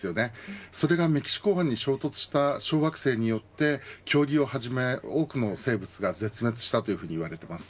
それがメキシコ湾に衝突した小惑星によって恐竜をはじめ多くの生物が絶滅したといわれています。